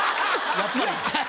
やっぱり。